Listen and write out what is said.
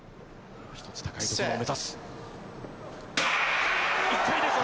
１つ高いところを目指す。